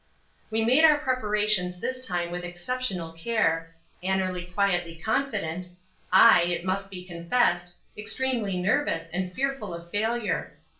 We made our preparations this time with exceptional care, Annerly quietly confident, I, it must be confessed, extremely nervous and fearful of failure.